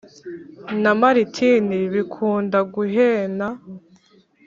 Na Maritini Bikundaguhena